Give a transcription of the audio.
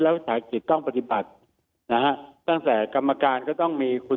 แล้ววิสาหกิจต้องปฏิบัตินะฮะตั้งแต่กรรมการก็ต้องมีคุณ